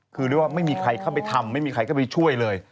คือเรียกว่าไม่มีใครเข้าไปทำไม่มีใครเข้าไปช่วยเลย